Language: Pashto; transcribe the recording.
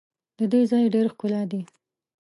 د دې ځای ډېر ښکلا دي.